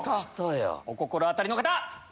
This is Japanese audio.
お心当たりの方！